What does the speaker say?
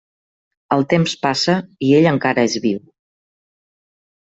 El temps passa i ell encara és viu.